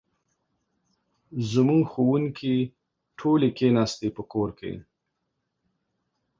زموږ ښوونکې ټولې کښېناستي په کور کې